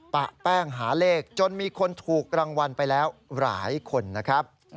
ปะแป้งหาเลขจนมีคนถูกรางวัลไปแล้วหลายคนนะครับ